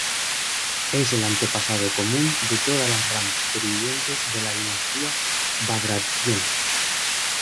Es el antepasado común de todas las ramas supervivientes de la dinastía Bagrationi.